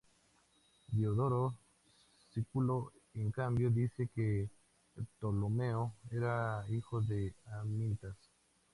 Diodoro Sículo en cambio, dice que Ptolomeo era hijo de Amintas.